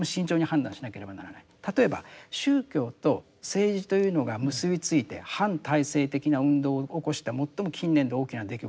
例えば宗教と政治というのが結び付いて反体制的な運動を起こした最も近年で大きな出来事